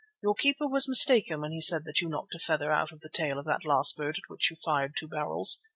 Your keeper was mistaken when he said that you knocked a feather out of the tail of that last bird at which you fired two barrels.